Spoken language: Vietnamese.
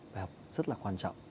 bài học rất là quan trọng